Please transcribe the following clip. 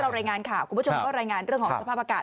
รายงานข่าวคุณผู้ชมก็รายงานเรื่องของสภาพอากาศ